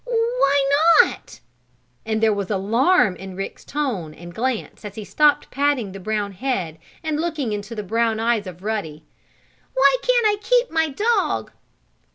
"Why not?" and there was alarm in Rick's tone and glance as he stopped patting the brown head and looking into the brown eyes of Ruddy. "Why can't I keep my dog?"